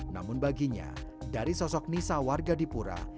namun baginya dari sosok nisa warga di pura